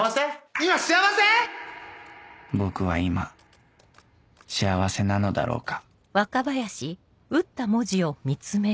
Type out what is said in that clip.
僕は今幸せなのだろうか？